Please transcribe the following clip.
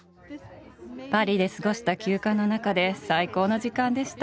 パリで過ごした休暇の中で最高の時間でした。